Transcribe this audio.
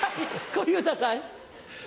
小遊三さん。